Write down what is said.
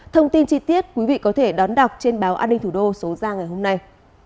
thông tin chi tiết quý vị có thể đón đọc trên báo an ninh thủ đô số ra ngày hôm nay